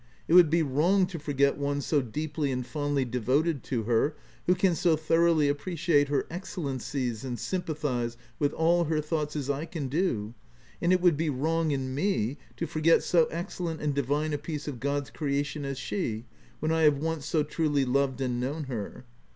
It would be wrong to forget one so deeply and fondly devoted to her, who can so thoroughly appreciate her excellencies and sympathize with all her thoughts as I can do, and it would be wrong in me to forget so excellent and divine a piece of God's creation as she, when I have once so truly loved and known her."